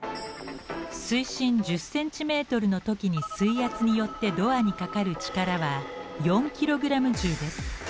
水深１０ｃｍの時に水圧によってドアにかかる力は４ｋｇ重です。